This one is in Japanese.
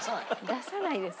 出さないです。